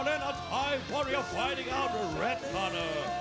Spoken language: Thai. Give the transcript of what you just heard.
และกับพวกเขาที่กำลังสู้กับแรดฟันเตอร์